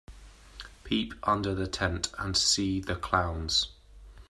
Peep under the tent and see the clowns.